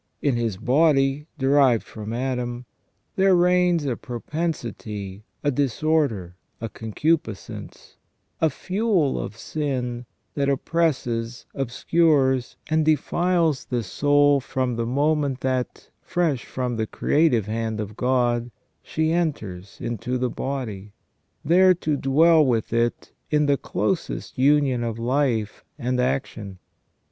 In his body, derived from Adam, there reigns a propensity, a disorder, a concupiscence, a fuel of sin that oppresses, obscures, and defiles the soul from the moment that, fresh from the creative hand of God, she enters into the body, there to dwell with it in the closest union of life and action.